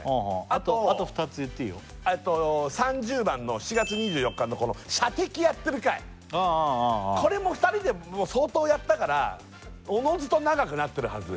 あとあと２つ言っていいよ３０番の７月２４日の射的やってる回これも２人で相当やったからおのずと長くなってるはず